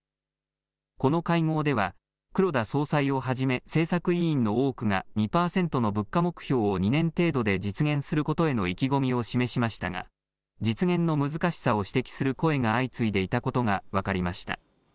この会合では黒田総裁をはじめ政策委員の多くが２％の物価目標を２年程度で実現することへの意気込みを示しましたが実現の難しさを指摘する声が相次いでいたことが分かりました。